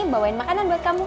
bawain makanan buat kamu